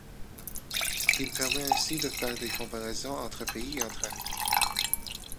Il permet ainsi de faire des comparaisons entre pays et entre années.